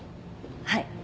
はい。